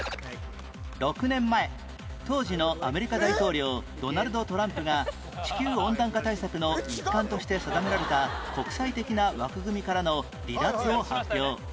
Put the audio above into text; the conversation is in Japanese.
６年前当時のアメリカ大統領ドナルド・トランプが地球温暖化対策の一環として定められた国際的な枠組みからの離脱を発表